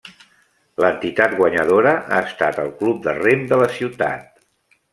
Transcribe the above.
L'entitat guanyadora ha estat el Club de Rem de la ciutat.